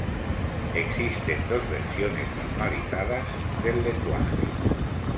Existen dos versiones normalizadas del lenguaje.